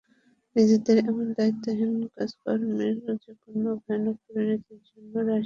নিজেদের এমন দায়িত্বহীন কাজকর্মের যেকোনো ভয়ানক পরিণতির জন্য রাশিয়াই দায়ী থাকবে।